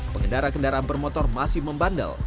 pengendara kendaraan bermotor masih membandel